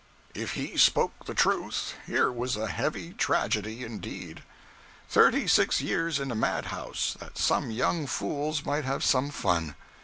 If he spoke the truth, here was a heavy tragedy, indeed. Thirty six years in a madhouse, that some young fools might have some fun!